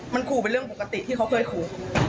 มันขู่เป็นเรื่องปกติที่เขาเคยขู่